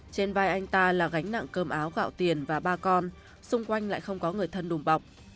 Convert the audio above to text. trên vai anh ta là gánh nặng cơm áo gạo tiền và ba con xung quanh lại không có người thân đùm bọc